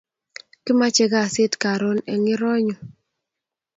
Kimache kasit karun en ironyu